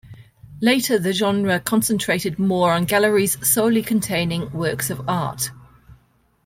Later the genre concentrated more on galleries solely containing works of art.